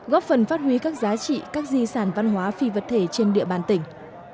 góp phần phát huy các giá trị các di sản văn hóa phi vật thể trên địa bàn tỉnh